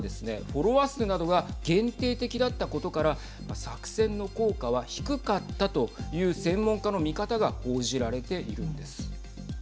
フォロワー数などが限定的だったことから作戦の効果は低かったという専門家の見方が報じられているんです。